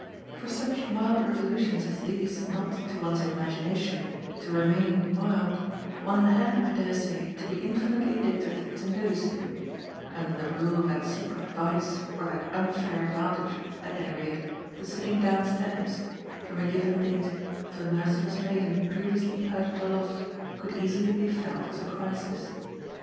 For such mild revolutions as these not, to one's imagination, to remain mild one had had, I dare say, to be infinitely addicted to "noticing"; under the rule of that secret vice or that unfair advantage, at any rate, the "sitting downstairs," from a given date, of the merciless maiden previously perched aloft could easily be felt as a crisis.